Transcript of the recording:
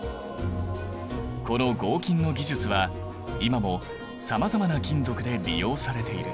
この合金の技術は今もさまざまな金属で利用されている。